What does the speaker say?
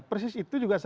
persis itu juga